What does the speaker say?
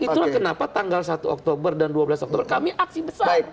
itulah kenapa tanggal satu oktober dan dua belas oktober kami aksi besar